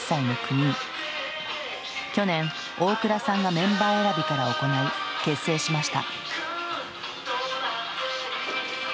去年大倉さんがメンバー選びから行い結成しました。